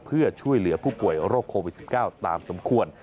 เพื่อช่วยเหลือผู้ป่วยโรคโควิด๑๙ตามสมควร